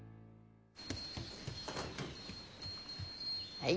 はい。